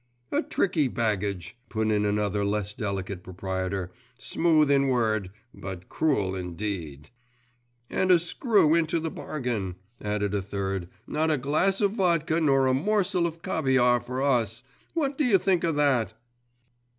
'A tricky baggage!' put in another less delicate proprietor. 'Smooth in word, but cruel in deed!' 'And a screw into the bargain!' added a third; 'not a glass of vodka nor a morsel of caviare for us what do you think of that?